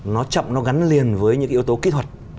nó chậm nó gắn liền với những yếu tố kỹ thuật